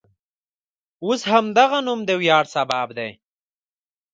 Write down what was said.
اوس همدغه نوم د ویاړ سبب دی.